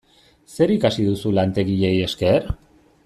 Zer ikasi duzu lantegiei esker?